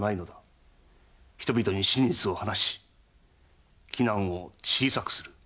人々に真実を話し危難を小さくする。